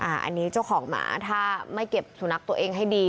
อันนี้เจ้าของหมาถ้าไม่เก็บสุนัขตัวเองให้ดี